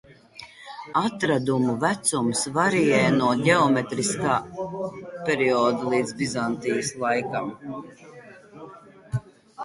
Atradumu vecums variē no ģeometriskā perioda līdz Bizantijas laikam.